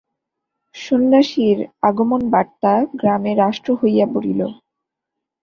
সন্ন্যাসীর আগমনবার্তা গ্রামে রাষ্ট্র হইয়া পড়িল।